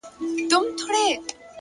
مثبت فکر د ارام ذهن سرچینه ده؛